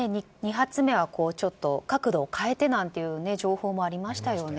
２発目は角度を変えてなんて情報もありました。